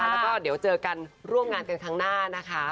แล้วก็เดี๋ยวเจอกันร่วมงานกันครั้งหน้านะคะ